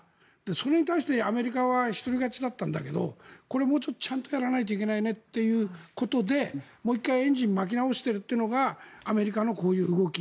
それに対してアメリカは一人勝ちだったんだけどこれもうちょっとちゃんとやらないといけないねということでもう１回エンジンを巻き直しているのがアメリカのこういう動き。